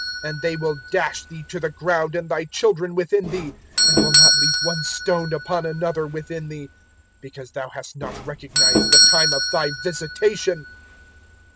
019:044 And they will dash thee to the ground and thy children within thee, and will not leave one stone upon another within thee; because thou hast not recognized the time of thy visitation."